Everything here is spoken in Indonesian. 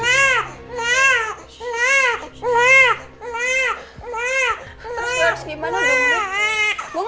terus lo harus gimana dong